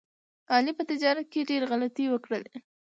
علي په تجارت کې ډېر غلطۍ وکړلې.